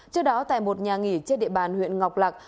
trước đó tại một nhà nghỉ trên địa bàn huyện ngọc lạc